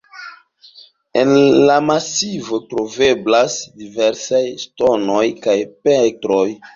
En la masivo troveblas diversaj ŝtonoj kaj petroj.